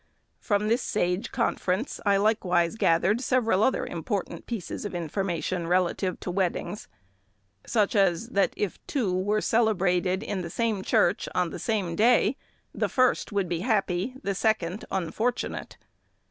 From this sage conference I likewise gathered several other important pieces of information relative to weddings; such as that if two were celebrated in the same church on the same day, the first would be happy, the second unfortunate.